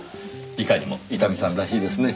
いかにも伊丹さんらしいですね。